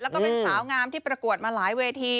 แล้วก็เป็นสาวงามที่ประกวดมาหลายเวที